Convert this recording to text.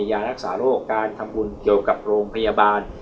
ยารักษาโรคการทำบุญเกี่ยวกับโรงพยาบาล